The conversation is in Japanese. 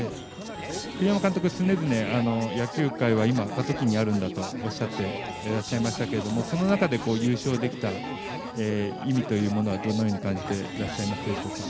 栗山監督、常々野球界は今、過渡期にあるんだとおっしゃっていらっしゃいましたがその中で、優勝できた意味というものはどのように感じていらっしゃいますでしょうか。